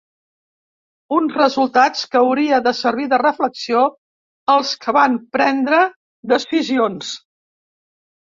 Uns resultats que hauria de servir de ‘reflexió als que van prendre decisions’.